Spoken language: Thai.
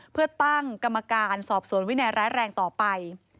เพื่อตั้งกรรมการสอบสวนวินัยร้ายแรงต่อไป